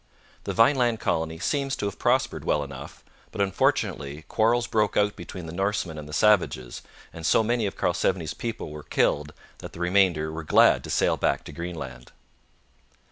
The Vineland colony seems to have prospered well enough, but unfortunately quarrels broke out between the Norsemen and the savages, and so many of Karlsevne's people were killed that the remainder were glad to sail back to Greenland.